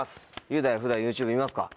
雄大は普段ＹｏｕＴｕｂｅ見ますか？